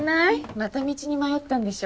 また道に迷ったんでしょ？